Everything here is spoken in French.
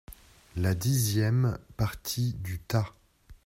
La dixième partie du tas.